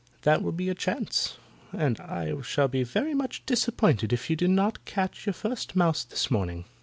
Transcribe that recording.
That will be your chance, and I shall be very much disappointed if you do not catch your first mouse this morning."